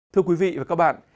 thưa quý vị và các bạn